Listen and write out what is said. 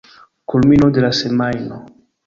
Kulmino de la semajno.